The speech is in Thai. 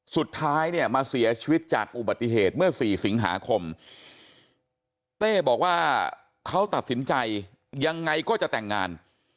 สุดท้ายเนี่ยมาเสียชีวิตจากอุบัติเหตุเมื่อ๔สิงหาคมเต้บอกว่าเขาตัดสินใจยังไงก็จะแต่งงาน